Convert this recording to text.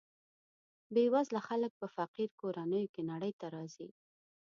بې وزله خلک په فقیر کورنیو کې نړۍ ته راځي.